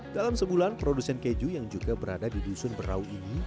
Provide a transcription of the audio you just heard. dalam sebulan produsen keju yang juga berada di dusun berau ini